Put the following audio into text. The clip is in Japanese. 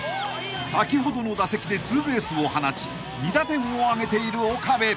［先ほどの打席で２ベースを放ち２打点を挙げている岡部］